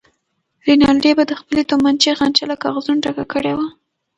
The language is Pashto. رینالډي به د خپلې تومانچې خانچه له کاغذونو ډکه کړې وه.